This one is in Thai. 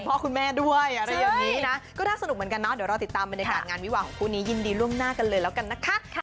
พ่อคุณแม่ด้วยอะไรอย่างนี้นะก็น่าสนุกเหมือนกันเนาะเดี๋ยวรอติดตามบรรยากาศงานวิวาของคู่นี้ยินดีล่วงหน้ากันเลยแล้วกันนะคะ